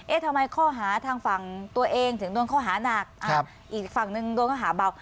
ทำไมข้อหาทางฝั่งตัวเองถึงโดนข้อหานักอีกฝั่งหนึ่งโดนข้อหาเบา